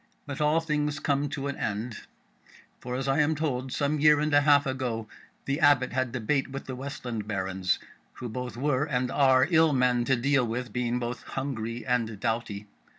But all things come to an end; for, as I am told, some year and a half ago, the Abbot had debate with the Westland Barons, who both were and are ill men to deal with, being both hungry and doughty.